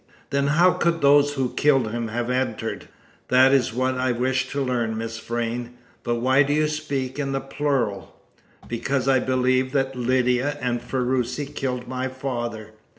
"Then how could those who killed him have entered?" "That is what I wish to learn, Miss Vrain. But why do you speak in the plural?" "Because I believe that Lydia and Ferruci killed my father."